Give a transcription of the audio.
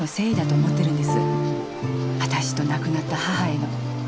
わたしと亡くなった母への。